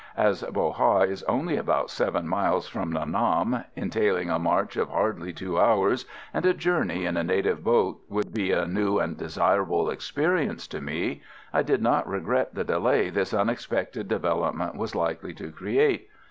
As Bo Ha is only about 7 miles from Nha Nam, entailing a march of hardly two hours, and a journey in a native boat would be a new and desirable experience to me, I did not regret the delay this unexpected development was likely to create.